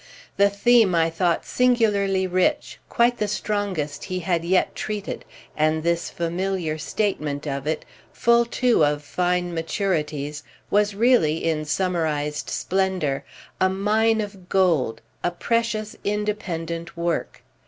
The theme I thought singularly rich, quite the strongest he had yet treated; and this familiar statement of it, full too of fine maturities, was really, in summarised splendour, a mine of gold, a precious independent work.